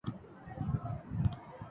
埃斯帕利圣马塞勒人口变化图示